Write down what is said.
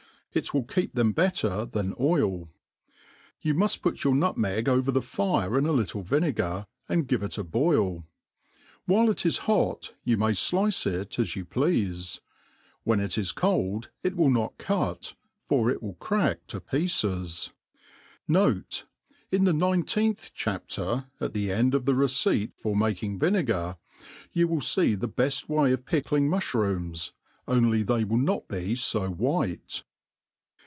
It will keep them better than oil. You muft put your nutmeg ovef the lire in a little yinegar, and give it a boil. While it is hot you may flice it as you pleafe. When it is cold, it will not cut, for it will crack to pieces. Note, In the 19th chapter, at the end of thq receipt for making vinegar, you will fee the beft way of pickling mufh rooms, only they will not be {o white.